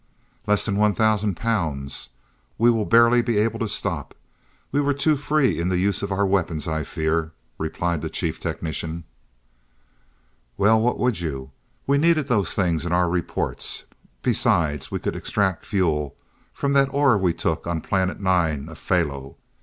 "Less than one thousand pounds. We will barely be able to stop. We were too free in the use of our weapons, I fear," replied the Chief Technician. "Well, what would you? We needed those things in our reports. Besides, we could extract fuel from that ore we took on at Planet Nine of Phahlo.